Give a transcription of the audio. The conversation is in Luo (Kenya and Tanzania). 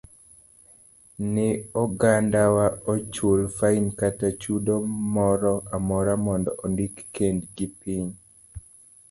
ni ogandawa ochul fain kata chudo moro amora mondo ondik kendgi piny.